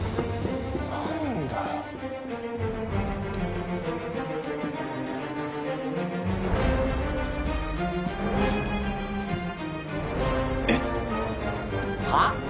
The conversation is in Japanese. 何だよえっ？はあ？